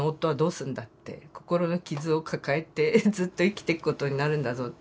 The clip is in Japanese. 心の傷を抱えてずっと生きていくことになるんだぞって。